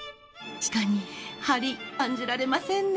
確かにハリ感じられませんね。